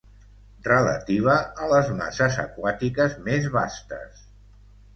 Relativa a les masses aquàtiques més vastes.